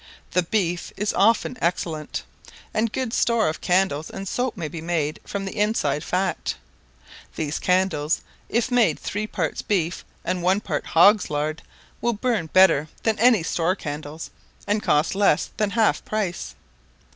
The beef is often excellent, and good store of candles and soap may be made from the inside fat. These candles, if made three parts beef and one part hogs lard, will burn better than any store candles, and cost less than half price.